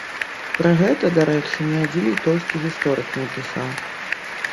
Пра гэта, дарэчы, ні адзін літоўскі гісторык не пісаў.